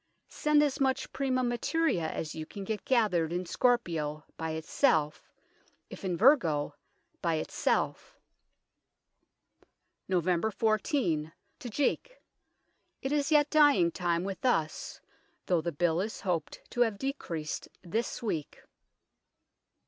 ... Send as much prima materia as you can get gathered in Scorpio, by itself ; if in Virgo, by itself." " Nov. 14 (to Jeake). It is yet dyeing time with us, though the bill is hoped to have de creased this weeke."